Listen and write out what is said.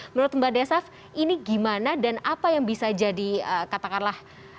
menurut mbak desaf ini gimana dan apa yang bisa jadi katakanlah